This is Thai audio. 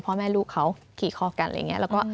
พ่อแม่ลูกเขาขี่คอบกันอะไรอย่างเงี้ยแล้วก็